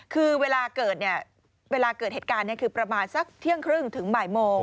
คือเวลาเกิดเหตุการณ์นี้คือประมาณสักเที่ยงครึ่งถึงบ่ายโมง